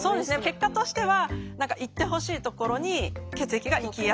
結果としては行ってほしい所に血液が行きやすい。